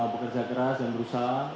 bekerja keras dan berusaha